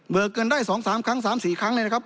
เมื่อเกินได้สองสามครั้งสามสี่ครั้งเลยนะครับ